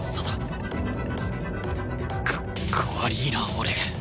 かっこ悪いな俺